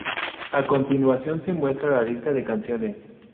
A continuación se muestra la lista de canciones.